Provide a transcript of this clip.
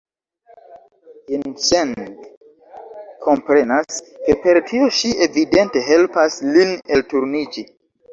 Jinŝeng komprenas, ke per tio ŝi evidente helpas lin elturniĝi.